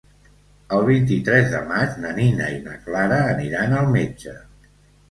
El vint-i-tres de maig na Nina i na Clara aniran al metge.